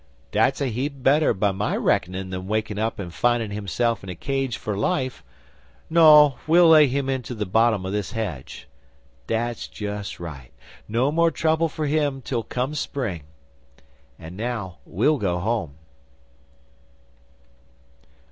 'Dat's a heap better by my reckonin' than wakin' up and findin' himself in a cage for life. No! We'll lay him into the bottom o' this hedge. Dat's jus' right! No more trouble for him till come Spring. An' now we'll go home.